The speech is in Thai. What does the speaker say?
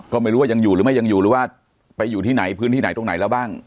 ก็ไม่รู้ว่ายังอยู่หรือไม่ยังอยู่หรือว่าไปอยู่ที่ไหนพื้นที่ไหนตรงไหนแล้วบ้าง